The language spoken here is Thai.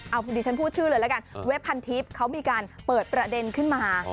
เอาพอดีฉันพูดชื่อเลยละกันเว็บพันทิพย์เขามีการเปิดประเด็นขึ้นมา